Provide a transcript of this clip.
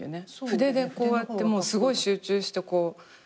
筆でこうやってすごい集中してこう。